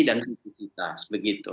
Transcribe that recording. dan publisitas begitu